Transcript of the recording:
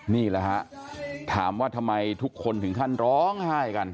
นี่แหละฮะถามว่าทำไมทุกคนถึงขั้นร้องไห้กัน